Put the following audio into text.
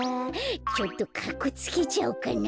ちょっとかっこつけちゃおうかな。